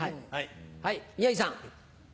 はい宮治さん。